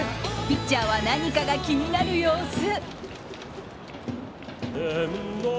ピッチャーは何かが気になる様子。